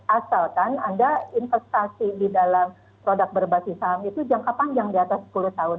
asalkan anda investasi di dalam produk berbasis saham itu jangka panjang di atas sepuluh tahun